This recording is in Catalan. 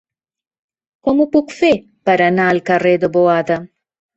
Com ho puc fer per anar al carrer de Boada?